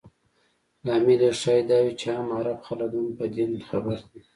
لامل یې ښایي دا وي چې عام عرب خلک هم په دین خبر دي.